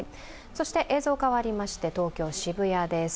そして映像変わりまして、東京・渋谷です。